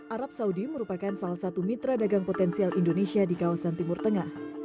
arab saudi merupakan salah satu mitra dagang potensial indonesia di kawasan timur tengah